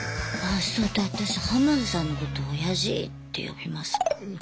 あそうだ私浜田さんのことオヤジって呼びますもん。